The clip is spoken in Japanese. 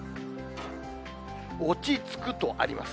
落ち着くとあります。